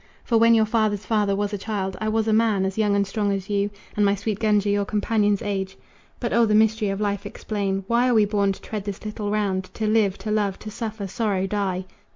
For when your father's father was a child, I was a man, as young and strong as you, And my sweet Gunga your companion's age. But O the mystery of life explain! Why are we born to tread this little round, To live, to love, to suffer, sorrow, die?